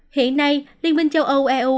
hiện nay liên minh châu âu eu